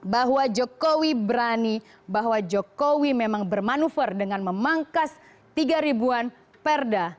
bahwa jokowi berani bahwa jokowi memang bermanuver dengan memangkas tiga ribuan perda